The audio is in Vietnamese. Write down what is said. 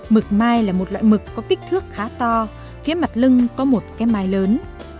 mực mai là một loại mực có kích thước khá to phía mặt lưng có một cái mai lớn